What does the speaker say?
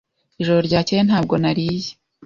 Ijoro ryakeye ntabwo nariye.